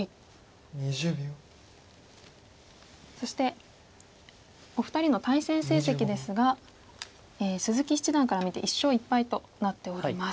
そしてお二人の対戦成績ですが鈴木七段から見て１勝１敗となっております。